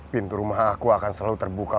pintu rumah aku akan selalu terbuka